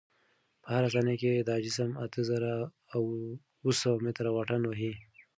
په هره ثانیه کې دا جسم اته زره اوه سوه متره واټن وهي.